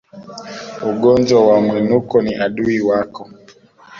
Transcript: Ugonjwa wa Mwinuko ni adui wako